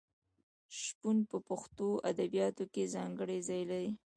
شپون په پښتو ادبیاتو کې ځانګړی ځای لري.